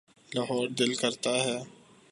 لاہور دل کرتا ہے۔